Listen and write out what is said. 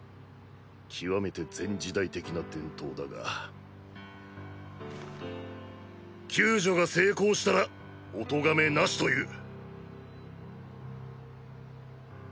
きわめて前時代的な伝統だが救助が成功したらお咎めなしという。